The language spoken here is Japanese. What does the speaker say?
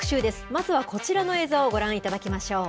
まずはこちらの映像をご覧いただきましょう。